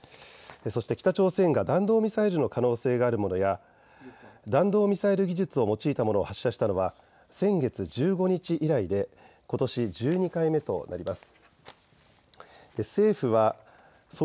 そして北朝鮮が弾道ミサイルの可能性があるものや弾道ミサイル技術を用いたものを発射したのは先月１５日以来でことし１２回目となります。